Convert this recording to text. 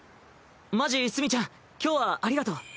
マジ墨ちゃん今日はありがとう。